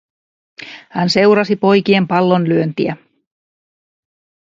Hän seurasi poikien pallonlyöntiä.